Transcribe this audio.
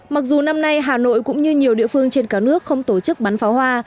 mặc dù năm nay hà nội cũng như nhiều địa phương trên cả nước không tổ chức bắn pháo hoa